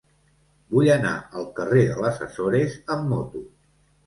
Vull anar al carrer de les Açores amb moto.